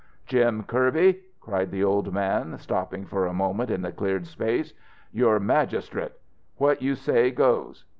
"Jim Kirby!" cried the old man, stopping for a moment in the cleared space. "You're magistrate. What you say goes.